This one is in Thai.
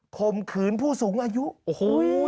ข่มขืนผู้สูงอายุโอ้โห